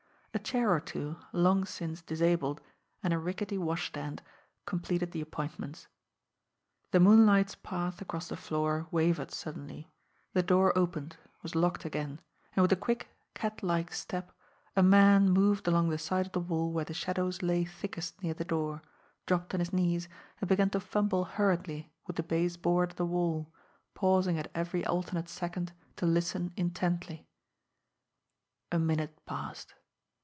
A chair or two, long since disabled, and a rickety washstand completed the appointments. The moonlight's path across the floor wavered suddenly, the door opened, was locked again, and with a quick, catlike step a man moved along the side of the wall where the shadows lay thickest near the door, dropped on his knees, and began to fumble hurriedly with the base board of the wall, pausing at every alternate second to listen intently. A minute passed.